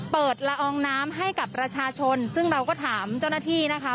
ละอองน้ำให้กับประชาชนซึ่งเราก็ถามเจ้าหน้าที่นะคะ